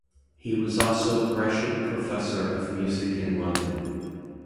He was also Gresham Professor of Music in London.